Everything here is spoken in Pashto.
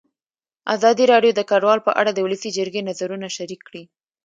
ازادي راډیو د کډوال په اړه د ولسي جرګې نظرونه شریک کړي.